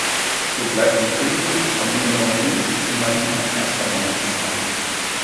So bleibt die „Königin vom Moulin Rouge“ immerhin ein erster Meilenstein.